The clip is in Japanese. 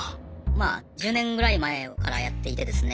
まあ１０年ぐらい前からやっていてですね